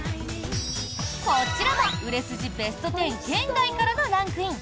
こちらも売れ筋ベスト１０圏外からのランクイン！